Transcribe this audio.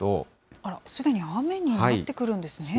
あら、すでに雨になってくるんですね。